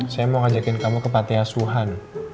saya mau ngajakin kamu ke pantai asuhan